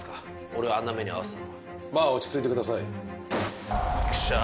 俺をあんな目に遭わせたのはまあ落ち着いてください畜生！